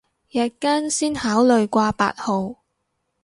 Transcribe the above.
日間先考慮掛八號